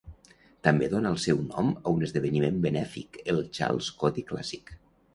També dona el seu nom a un esdeveniment benèfic, el Charles Coody Classic.